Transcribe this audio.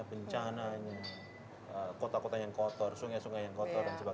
bencana kota kota yang kotor sungai sungai yang kotor dan sebagainya